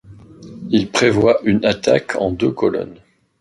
Il prévoit une attaque en deux colonnes.